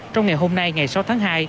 trong ngày hôm nay ngày sáu tháng hai